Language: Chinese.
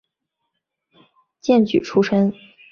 荐举出身。